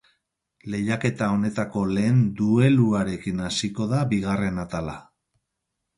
Lehiaketa honetako lehen dueluarekin hasiko da bigarren atala.